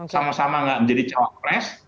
sama sama gak menjadi cawapres